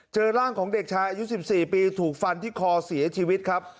เจอร่างของเด็กชายอายุ๑๔ปีถูกฟันที่คอเสียชีวิตครับ